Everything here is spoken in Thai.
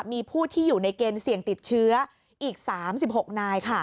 มีผู้ที่อยู่ในเกณฑ์เสี่ยงติดเชื้ออีก๓๖นาย